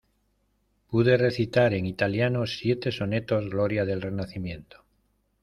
pude recitar en italiano siete sonetos gloria del Renacimiento: